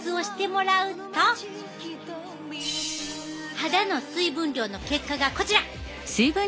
肌の水分量の結果がこちら。